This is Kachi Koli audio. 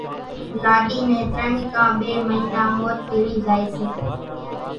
لاڏي نين ترڃ ڪان ٻي مئينا مور تيڙي زائي سي